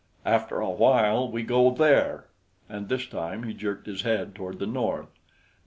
"After a while we go there." And this time he jerked his head toward the north.